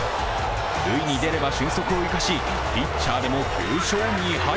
塁に出れば俊足を生かし、ピッチャーでも９勝２敗。